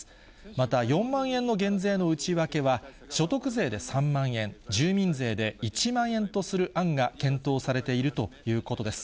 また４万円の減税の内訳は、所得税で３万円、住民税で１万円とする案が検討されているということです。